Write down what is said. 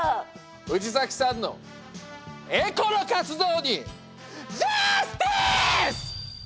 藤崎さんのエコな活動にジャスティス！